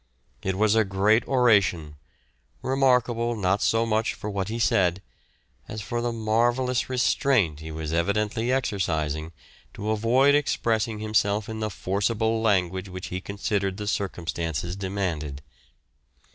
It was a great oration, remarkable not so much for what he said, as for the marvellous restraint he was evidently exercising to avoid expressing himself in the forcible language which he considered the circumstances demanded.